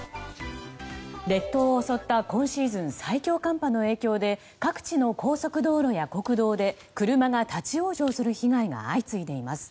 列島を襲った今シーズン最強寒波の影響で各地の高速道路や国道で車が立ち往生する被害が相次いでいます。